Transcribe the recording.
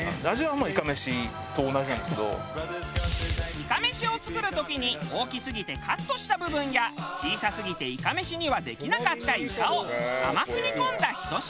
いか飯を作る時に大きすぎてカットした部分や小さすぎていか飯にはできなかったイカを甘く煮込んだひと品。